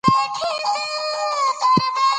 د پښتو ټولې لهجې مهمې دي